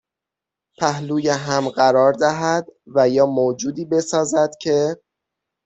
پهلوی هم قرار دهد و یا موجودی بسازد که